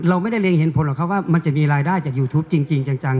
เราไม่ได้เร็งเห็นผลหรอกครับว่ามันจะมีรายได้จากยูทูปจริงจัง